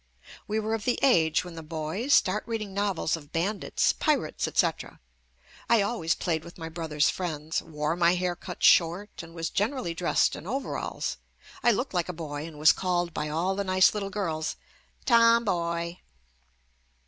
We were of the age when the boys start reading novels of bandits, pir ates, etc. I always played with my brother's friends, wore my hair cut short and was gen erally dressed in overalls. I looked like a boy and was called by all the nice little girls "Tomboy."